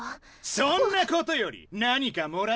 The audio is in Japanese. そんなことより何かもらっただろ！？